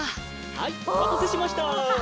はいおまたせしました。